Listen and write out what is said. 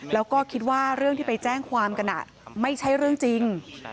แล้วก็คิดว่าเรื่องที่ไปแจ้งความกันไม่ใช่เรื่องจริง